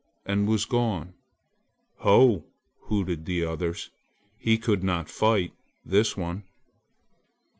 and was gone. "Ho!" hooted the others, "he could not fight, this one!"